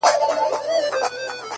ستا شاعرۍ ته سلامي كومه ـ